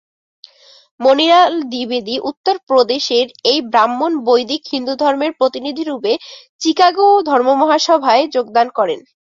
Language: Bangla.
মণিলাল দ্বিবেদী উত্তর প্রদেশের এই ব্রাহ্মণ বৈদিক হিন্দুধর্মের প্রতিনিধিরূপে চিকাগো ধর্মমহাসভায় যোগদান করেন।